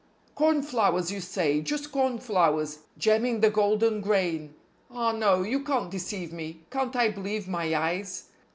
CORNFLOWERS, you say, just cornflowers, gemming the golden grain; Ah no! You can't deceive me. Can't I believe my eyes?